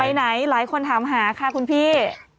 ไหนหลายคนถามหาค่ะคุณพี่